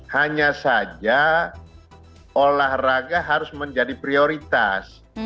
hanya saja olahraga harus menjadi prioritas